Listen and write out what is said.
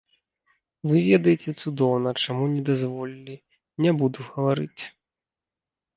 Вы ведаеце цудоўна, чаму не дазволілі, не буду гаварыць.